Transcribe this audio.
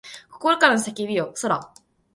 心からの叫びよそら